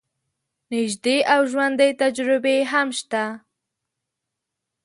نژدې او ژوندۍ تجربې هم شته.